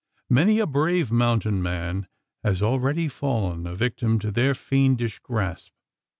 Many a brave "mountain man" has already fallen a victim to their fiendish grasp.